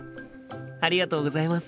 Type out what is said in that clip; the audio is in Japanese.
ありがとうございます。